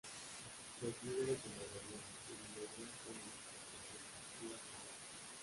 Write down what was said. Los líderes de mayoría y minoría son electos por sus respectivas bancadas.